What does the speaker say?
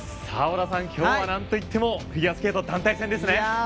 織田さん、今日は何といってもフィギュアスケート団体戦ですね。